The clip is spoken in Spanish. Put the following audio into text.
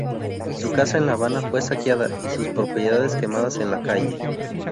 Su casa en La Habana fue saqueada y sus propiedades quemadas en la calle.